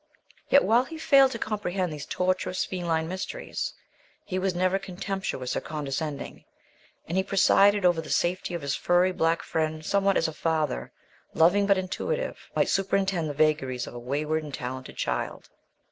Yet, while he failed to comprehend these tortuous feline mysteries, he was never contemptuous or condescending; and he presided over the safety of his furry black friend somewhat as a father, loving but intuitive, might superintend the vagaries of a wayward and talented child.